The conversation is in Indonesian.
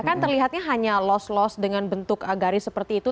kan terlihatnya hanya los los dengan bentuk garis seperti itu